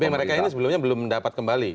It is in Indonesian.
tapi mereka ini sebelumnya belum mendapat kembali